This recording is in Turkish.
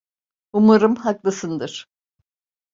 Umarım haklısındır.